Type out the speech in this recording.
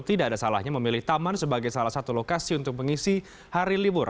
tidak ada salahnya memilih taman sebagai salah satu lokasi untuk mengisi hari libur